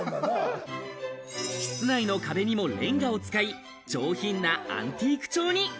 室内の壁にもレンガを使い、上品なアンティーク調に。